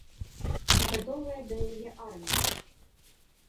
Ці гатовая да яе армія?